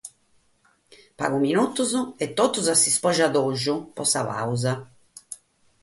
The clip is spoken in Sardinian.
Pagos minutos e totus a s'ispogiatoju pro sa pàusa.